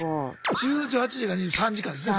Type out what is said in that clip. １８時から３時間ですね